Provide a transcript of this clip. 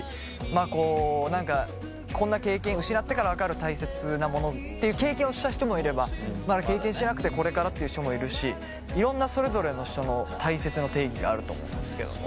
あこう何かこんな経験失ってから分かるたいせつなものっていう経験をした人もいればまだ経験してなくてこれからっていう人もいるしいろんなそれぞれの人のたいせつの定義があると思うんですけども。